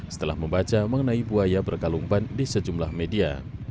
setelah membaca mengenai buaya berkalung ban di sejumlah media